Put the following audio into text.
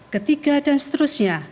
ketiga dan seterusnya